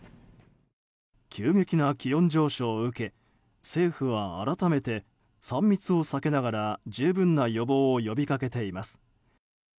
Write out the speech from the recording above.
急激な気温上昇を受け政府は改めて３密を避けながら十分な予防を呼び掛けています。